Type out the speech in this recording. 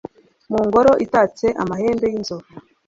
mu ngoro itatse amahembe y'inzovu